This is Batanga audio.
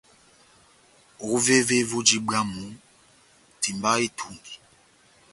Ovévé voji bwámu, timbaha etungi.